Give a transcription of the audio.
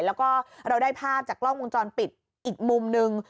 แล้วก็เราได้ภาพจากกล้องวงจรปิดอีกมุมนึง